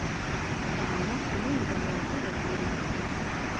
د انګړ په لویې دروازې وردننه شوو.